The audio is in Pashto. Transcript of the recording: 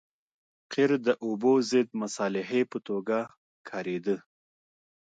قیر د اوبو ضد مصالحې په توګه کارېده